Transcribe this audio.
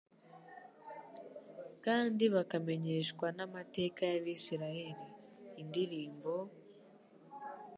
kandi bakamenyeshwa n'amateka y'Abisirayeli. Indirimbo,